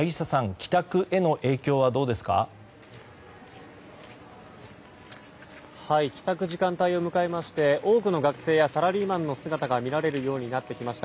帰宅時間帯を迎えまして多くの学生やサラリーマンの姿が見られるようになってきました。